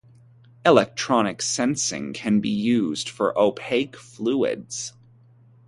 Electronic sensing can be used for opaque fluids.